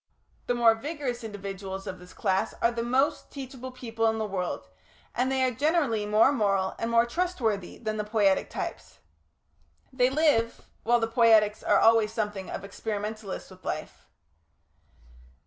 The more vigorous individuals of this class are the most teachable people in the world, and they are generally more moral and more trustworthy than the Poietic types. They live, while the Poietics are always something of experimentalists with life.